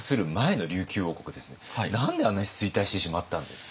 何であんなに衰退してしまったんですか？